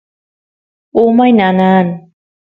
umay nanan